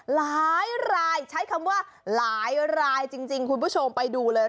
หลายรายใช้คำว่าหลายรายจริงคุณผู้ชมไปดูเลย